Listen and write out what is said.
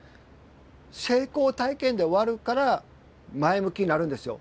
成功体験で終わるから前向きになるんですよ。